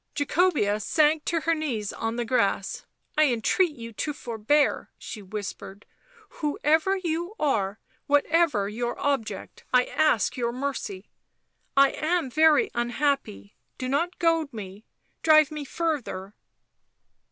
Jacobea sank to her knees on the grass. " I entreat you to forbear," she whispered. " Whoever you are, whatever your object, I ask your mercy. I am very unhappy — do not goad me — drive me further."